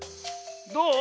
どう？